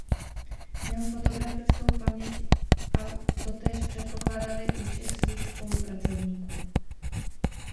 Měl fotografickou paměť a totéž předpokládal i u všech svých spolupracovníků.